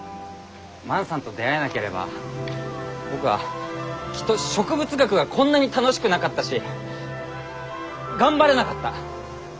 万さんと出会えなければ僕はきっと植物学がこんなに楽しくなかったし頑張れなかった。